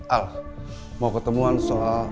al mau ketemuan soal